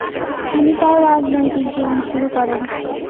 তিনি তার রাজনৈতিক জীবন শুরু করেন।